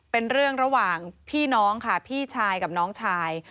เป็นเรื่องระหว่างพี่น้องค่ะพี่ชายกับน้องชาย